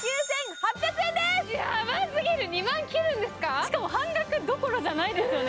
しかも半額どころじゃないですよね。